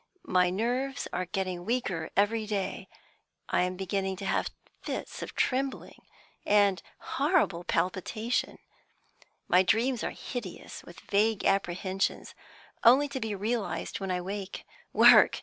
My nerves are getting weaker every day; I am beginning to have fits of trembling and horrible palpitation; my dreams are hideous with vague apprehensions, only to be realised when I wake. Work!